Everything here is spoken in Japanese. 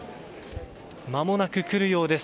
まもなく来るようです。